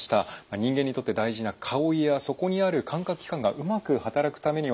人間にとって大事な顔やそこにある感覚器官がうまく働くためにはですね